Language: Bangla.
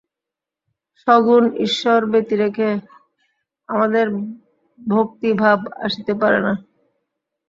সগুণ ঈশ্বর ব্যতিরেকে আমাদের ভক্তিভাব আসিতে পারে না।